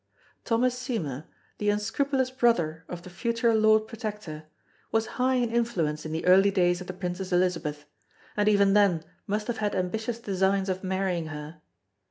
Thomas Seymour, the unscrupulous brother of the future Lord Protector, was high in influence in the early days of the Princess Elizabeth, and even then must have had ambitious designs of marrying her.